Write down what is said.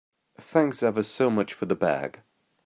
Thanks ever so much for the bag.